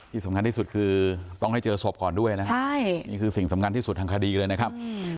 ที่สำคัญที่สุดคือต้องให้เจอศพก่อนด้วยนะใช่นี่คือสิ่งสำคัญที่สุดทางคดีเลยนะครับ